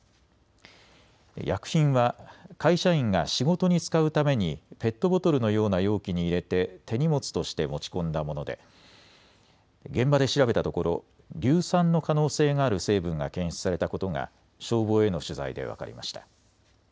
薬品は会社員が仕事に使うためにペットボトルのような容器に入れて手荷物として持ち込んだもので現場で調べたところ硫酸の可能性がある成分が検出されたことが消防への取材で分かりました。